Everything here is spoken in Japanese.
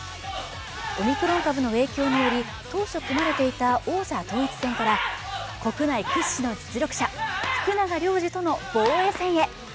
オミクロン株の影響により、当初組まれていた王座統一戦から国内屈指の実力者・福永亮次との防衛戦へ。